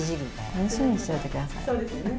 楽しみにしといてください。